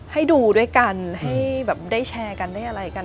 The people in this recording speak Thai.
ให้ดูด้วยกันให้แบบได้แชร์กันได้อะไรกัน